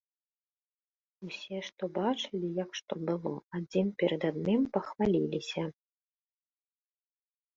Усе, што бачылі, як што было, адзін перад адным пахваліліся.